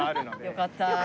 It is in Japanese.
よかったあ。